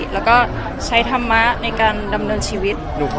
แล้วก็ใช้ธรรมะในการดำเนินชีวิต